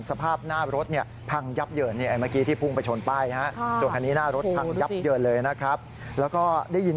สภาพหน้ารถเนี่ยพังยับเหยิน